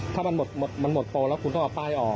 ถ้ามันหมดมันหมดโปรแล้วคุณก็เอาป้ายออก